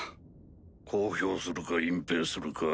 公表するか隠蔽するか。